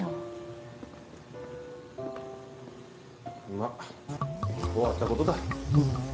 まっ終わったことだ。